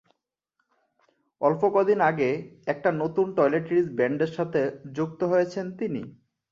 অল্প কদিন আগে একটা নতুন টয়লেট্রিজ ব্রান্ডের সঙ্গে যুক্ত হয়েছেন তিনি।